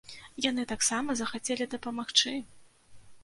Яны таксама захацелі дапамагчы!